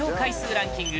ランキング